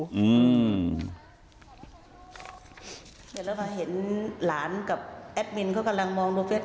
เดี๋ยวเรามาเห็นหลานกับแอดมินเขากำลังมองดูเพจ